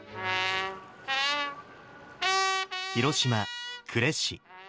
広島・呉市。